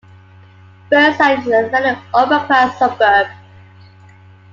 Burnside is a fairly upper class suburb.